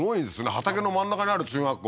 畑の真ん中にある中学校？